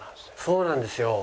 そうなんですよ。